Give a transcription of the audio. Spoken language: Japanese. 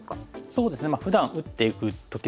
そうですねふだん打っていく時でもですね